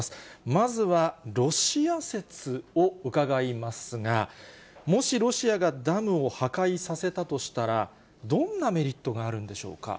まずはロシア説を伺いますが、もし、ロシアがダムを破壊させたとしたら、どんなメリットがあるんでしょうか。